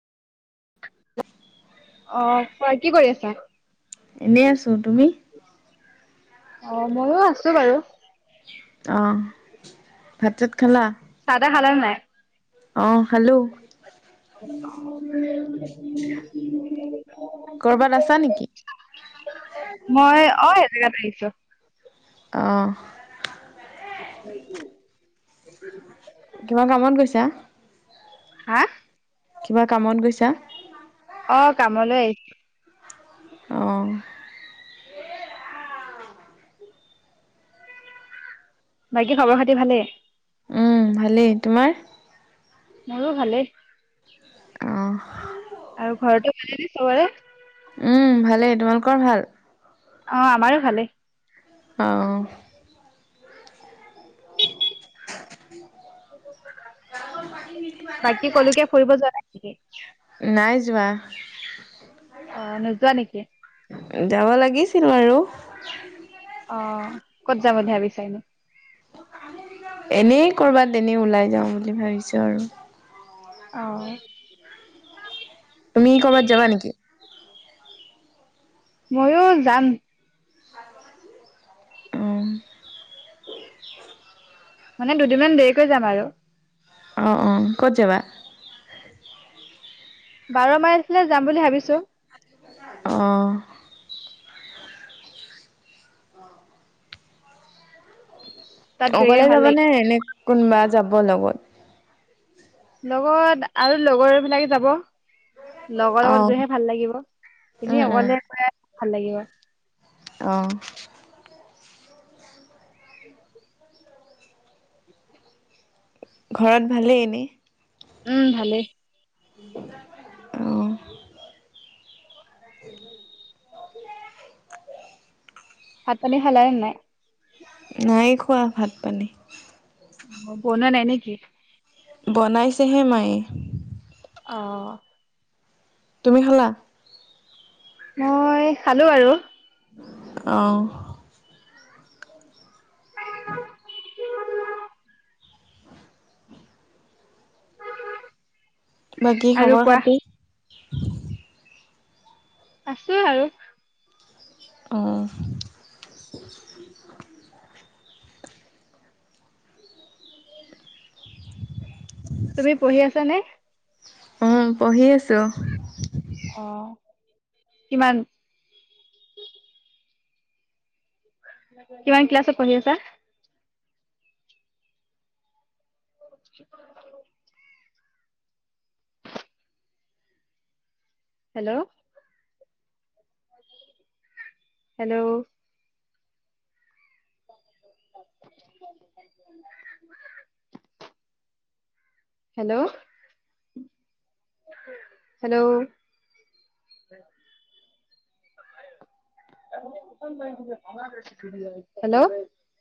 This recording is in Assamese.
অ কোৱা কি কৰি আছা? এনেই আছো তুমি? অ মইও আছোঁ বাৰু। অ ভাত চাত খালা? চাহ তা খালে নে নাই? অহঁ খালো। [inaudible] কৰ'বাত আছা নেকি [unintelligible] মই অ এজেগাত আহিছোঁ। অহঁ। থোপা কৰিছো। কিবা কামত গৈছা? হাঁ? কিবা কামত গৈছা? অ কামলৈ আহিছো। অ'। বাকী খবৰ খাতি ভালেই? উ ভালেই তোমাৰ। মোৰো ভালেই। অ'। আৰু ঘৰতো ভালেই নে চবৰে? উম ভালেই, তোমালোকৰ ভাল? অ', আমাৰো ভালেই। অ'। বাকী কলকীয়া ফুৰিব যোৱা নাই নেকি? নাই যোৱা। অ', নোযোৱা নেকি? ভাবিছিলো আৰু। অ', কত যাব এনো ভাবিচা? এনেই কৰবাত এনেই ওলাই যাওঁ বুলি ভাবিছো আৰু। অ'। তুমি কৰৰবাত যাবা নেকি? ময়ো যাম। অম [unintelligible] মানে দুদিনমান দেৰিকৈ যাম আৰু। অ', অ', ক'ত যাবা? বাৰ মাইল ফালে যাম বুলি ভাবিছো। অ'। তাত গৈ অকলে কিনে ভাল যাব লাগিব। নে এনে কোনোবা যাব লগত? লগত আৰু লগৰবিলাকে যাব। লগৰ অঁ লগত গৈহে ভাল লাগিব উম এনেই উম অকলে গৈ ভাল লাগিব। অ'। [unintelligible] ঘৰত ভালেই এনেই। উম ভালেই। অ'। [unintelligible] ভাত পানী খালা নে নাই? নাই খোৱা ভাত পানী। বনুৱা নাই নেকি? বনাইছেহে মায়ে। অ'। তুমি খালা? মই খালো আৰু। অ'। [unintelligible] বাকী আৰু খবৰ কোৱা? খাতি? আছো আৰু। অ'। তুমি পঢ়ি আছ নে? অ', পঢ়ি আছো। অ কিমান? কিমান ক্লাছত পঢ়ি আছা? [unintelligible] Hello hello [unintelligible] hello hello hello